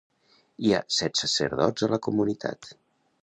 Hi ha set sacerdots a la comunitat.